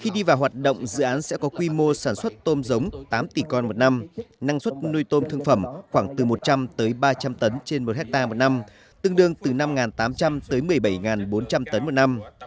khi đi vào hoạt động dự án sẽ có quy mô sản xuất tôm giống tám tỷ con một năm năng suất nuôi tôm thương phẩm khoảng từ một trăm linh ba trăm linh tấn trên một hectare một năm tương đương từ năm tám trăm linh một mươi bảy bốn trăm linh tấn một năm